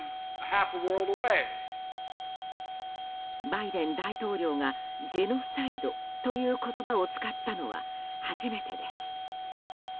バイデン大統領がジェノサイドという言葉を使ったのは初めてです。